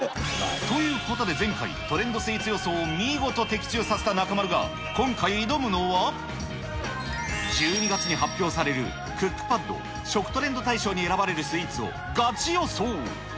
ということで、前回、トレンドスイーツ予想を見事的中させた中丸が、今回挑むのは、１２月に発表されるクックパッド食トレンド大賞に選ばれるスイーツをガチ予想。